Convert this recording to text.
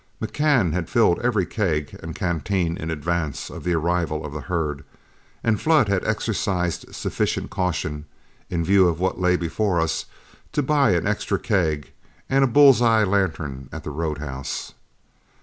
McCann had filled every keg and canteen in advance of the arrival of the herd, and Flood had exercised sufficient caution, in view of what lay before us, to buy an extra keg and a bull's eye lantern at the road house.